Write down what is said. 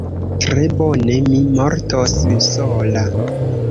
Tre bone: mi mortos sola.